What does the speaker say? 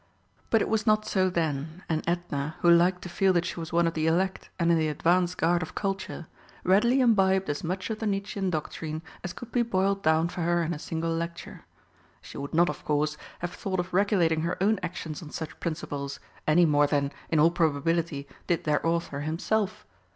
But it was not so then, and Edna, who liked to feel that she was one of the elect and in the advance guard of Culture, readily imbibed as much of the Nietzschean doctrine as could be boiled down for her in a single lecture. She would not, of course, have thought of regulating her own actions on such principles, any more than, in all probability, did their author himself.